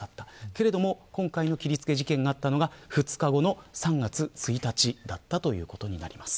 けれども今回の切りつけ事件があったのが２日後の３月１日だったということになります。